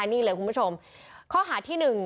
นี่เลยคุณผู้ชมข้อหาที่๑